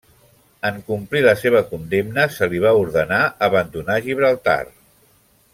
En complir la seva condemna se li va ordenar abandonar Gibraltar.